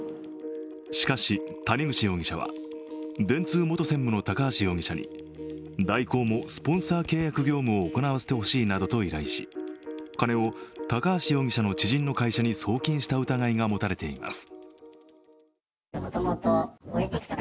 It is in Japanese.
しかし谷口容疑者は電通元専務の高橋容疑者に大広もスポンサー契約業務を行わせてほしいなどと依頼し金を高橋容疑者の知人の会社に送金した疑いが持たれています。